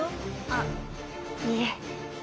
あっいえ。